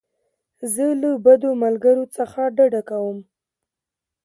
زه له بدو ملګرو څخه ډډه کوم.